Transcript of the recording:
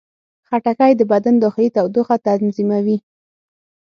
خټکی د بدن داخلي تودوخه تنظیموي.